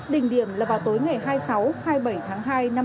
đỉnh điểm là vào tối ngày hai mươi sáu hai mươi bảy tháng hai năm hai nghìn hai mươi